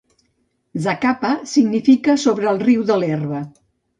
Zacapa significa sobre el riu de l'herba.